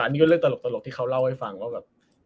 นี่ก็เรื่องตลกที่เขาเล่าให้ฟังว่าแบบ